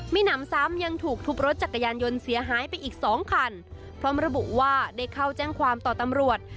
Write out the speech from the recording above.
มีหนำซ้ำยังถูกทุบรถจักรยานยนต์เสียหายไปอีกสองคันพร้อมระบุว่าได้เข้าแจ้งความต่อตำรวจ